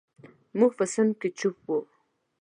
موږ په صنف کې چپ وو.